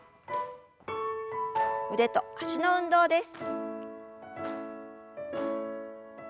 腕と脚の運動です。